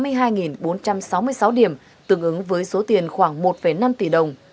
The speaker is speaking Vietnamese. các đối tượng đã giao dịch hơn sáu mươi sáu điểm tương ứng với số tiền khoảng một năm tỷ đồng